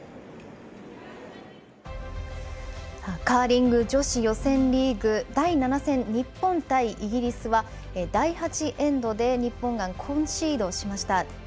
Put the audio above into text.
カーリング女子予選リーグ第７戦、日本対イギリスは第８エンドで日本がコンシードしました。